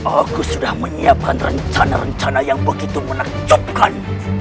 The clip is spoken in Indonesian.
aku sudah menyiapkan rencana rencana yang begitu menerjabkan